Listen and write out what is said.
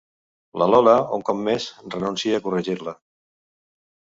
La Lola, un cop més, renuncia a corregir-la.